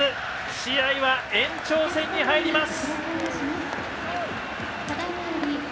試合は延長戦に入ります。